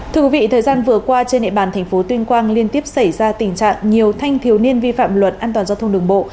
thưa quý vị thời gian vừa qua trên hệ bản tp tuyên quang liên tiếp xảy ra tình trạng nhiều thanh thiếu niên vi phạm luật an toàn giao thông đường bộ